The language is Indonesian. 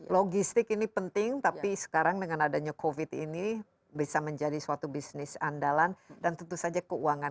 logistik ini penting tapi sekarang dengan adanya covid ini bisa menjadi suatu bisnis andalan dan tentu saja keuangan